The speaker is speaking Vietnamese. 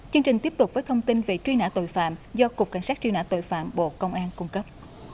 chương trình tiếp tục với thông tin về truy nã tội phạm do cục cảnh sát truy nã tội phạm bộ công an cung cấp